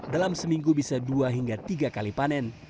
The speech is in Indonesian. dalam seminggu bisa dua hingga tiga kali panen